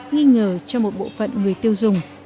nghi ngờ cho một bộ phận người tiêu dùng